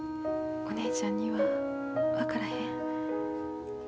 お姉ちゃんには分からへん。